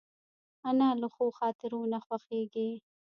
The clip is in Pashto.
انا له ښو خاطرو نه خوښېږي